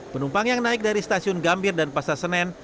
penumpang yang naik dari stasiun gambir dan pasar senen